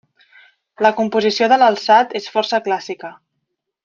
La composició de l'alçat és força clàssica.